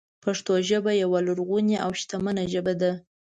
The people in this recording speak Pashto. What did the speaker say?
پښتو ژبه یوه لرغونې او شتمنه ژبه ده.